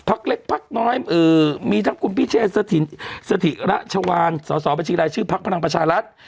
ภักดิ์เล็กภักดิ์น้อยมีทั้งคุณพิเศษสถิระชวางสสบชิรัยชื่อภักดิ์พลังประชารัฐ